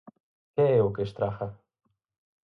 ¿Que é o que estraga?